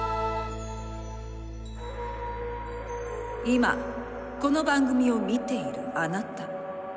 今この番組を見ているあなた。